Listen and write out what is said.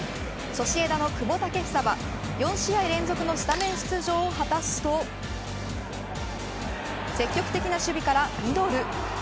ソシエダの久保建英は４試合連続のスタメン出場を果たすと積極的な守備からミドル。